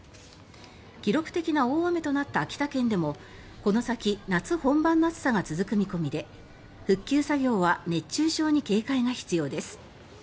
記録的な大雨となった秋田県でもこの先夏本番の暑さが続く見込みで復旧作業は熱中症に警戒が必要です。